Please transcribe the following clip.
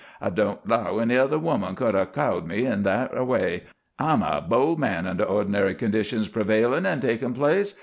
I don't 'low any other human could 'a' cowed me that a way. I'm a bold man under ordinary conditions prevailin' an' takin' place.